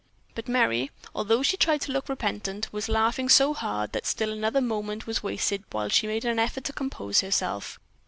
But Merry, although she tried to look repentant, was laughing so hard that still another moment was wasted while she made an effort to compose herself.